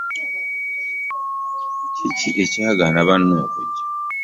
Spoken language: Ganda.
Kiki ekyagaana banno okujja?